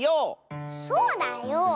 そうだよ。